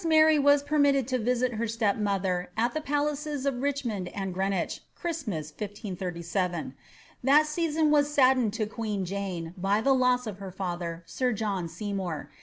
The princen Mary was permitted to Tisit her step mother at the pa^ laoet of Richmond and Greenwich, Christmas 1537. That season was addened to queen Jane by the loss of her father, sir John Seymour.